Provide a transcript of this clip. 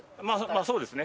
まあそうですね。